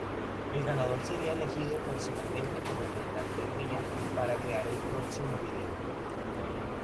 El ganador sería elegido personalmente por la cantante Ria para crear el próximo video.